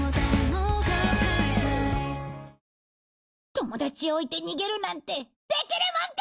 友達を置いて逃げるなんてできるもんか！